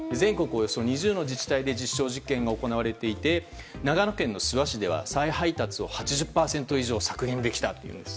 およそ２０の自治体で実証実験が行われていて長野県の諏訪市では再配達を８０％以上削減できたというんです。